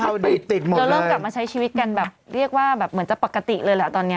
เราเริ่มกลับมาใช้ชีวิตกันแบบเรียกว่าแบบเหมือนจะปกติเลยแหละตอนนี้